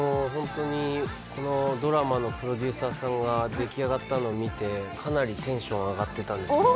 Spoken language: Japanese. このドラマのプロデューサーさんが出来上がったのを見てかなりテンション上がってたんです。